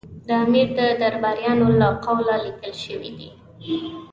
د امیر د درباریانو له قوله لیکل شوي دي.